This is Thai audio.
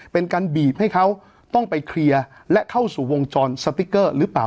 เป็นการบีบให้เขาต้องไปเคลียร์และเข้าสู่วงจรสติ๊กเกอร์หรือเปล่า